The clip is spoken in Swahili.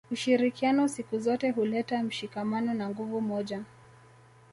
ushirikiano siku zote huleta mshikamano na nguvu moja